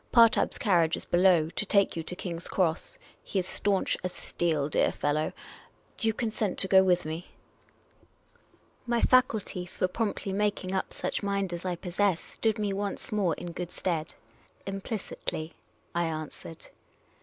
Partab's carriage is below, to take you to King's Cross. He is staunch as steel, dear fellow. Do you consent to go with me ?" My faculty for promptly making up such mind as I possess 300 Miss Cayley's Adventures stood me once more in good stead. " Implicitly," I an swered.